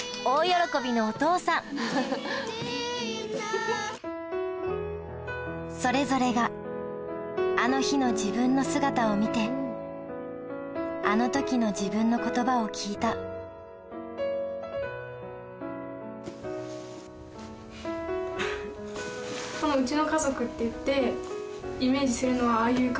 大喜びのお父さんそれぞれがあの日の自分の姿を見てあの時の自分の言葉を聞いたうん。